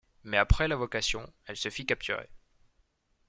Mais après l'invocation, elle se fit capturer.